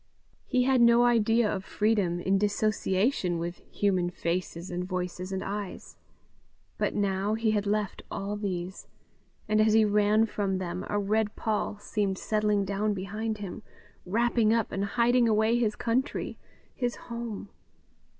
He had no idea of freedom in dissociation with human faces and voices and eyes. But now he had left all these, and as he ran from them, a red pall seemed settling down behind him, wrapping up and hiding away his country, his home.